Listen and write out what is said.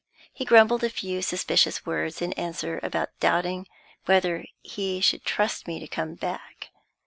He grumbled a few suspicious words in answer about doubting whether he should trust me to come back.